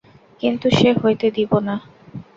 কিন্তু সে হইতে দিব না।